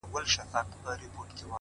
• سر تر نوکه وو خالق ښکلی جوړ کړی ,